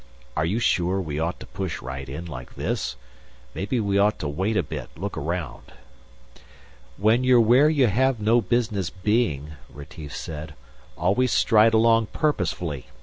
"Are you sure we ought to push right in like this? Maybe we ought to wait a bit, look around...." "When you're where you have no business being," Retief said, "always stride along purposefully.